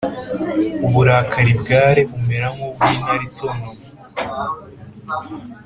uburakari bw ‘ale bumera nk’ubw’intare itontoma,